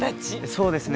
そうですね。